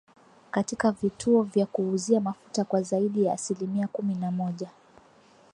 katika vituo vya kuuzia mafuta kwa zaidi ya asilimia kumi na moja